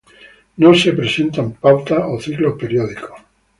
No se presentan pautas o ciclos periódicos.